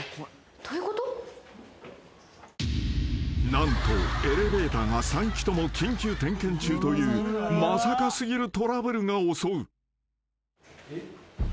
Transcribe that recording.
［何とエレベーターが３基とも緊急点検中というまさか過ぎるトラブルが襲う］